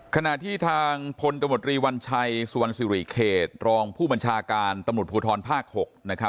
ขณะที่ทางพลตมตรีวัญชัยสุวรรณสิริเขตรองผู้บัญชาการตำรวจภูทรภาค๖